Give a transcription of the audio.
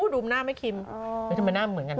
ดูหน้ามาที่มึงไม่เป็นหน้ามันเหมือนกัน